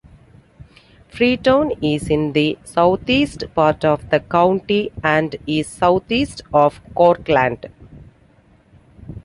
Freetown is in the southeast part of the county and is southeast of Cortland.